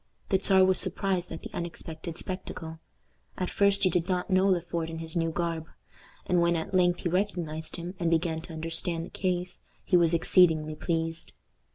The Czar was surprised at the unexpected spectacle. At first he did not know Le Fort in his new garb; and when at length he recognized him, and began to understand the case, he was exceedingly pleased.